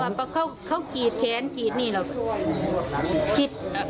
เพราะว่าเขากีดแขนกีดนี่แล้วก็